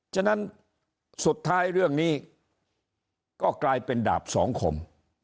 ฉะนั้นสุดท้ายเรื่องนี้ก็กลายเป็นดาบสองคม